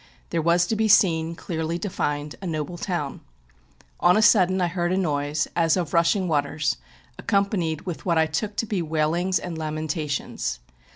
There was to be seen, clearly defined, a noble town. On a :.udden I heard a noise, as of rushing waters, accompa nied with what I took to be waitings and lamentations.